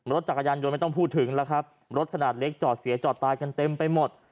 รถจักรยานยนต์ไม่ต้องพูดถึงแล้วครับรถขนาดเล็กจอดเสียจอดตายกันเต็มไปหมด